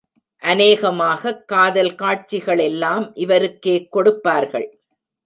அநேகமாகக் காதல் காட்சிகளெல்லாம் இவருக்கே கொடுப்பார்கள்.